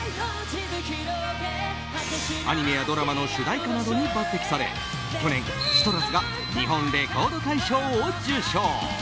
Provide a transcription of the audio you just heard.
アニメやドラマの主題歌などに抜擢され去年、「ＣＩＴＲＵＳ」が日本レコード大賞を受賞。